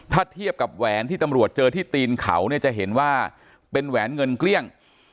ถ้าเทียบกับแหวนที่ตำรวจเจอที่ตีนเขาเนี่ยจะเห็นว่าเป็นแหวนเงินเกลี้ยง